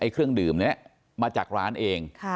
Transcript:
เครื่องดื่มนี้มาจากร้านเอง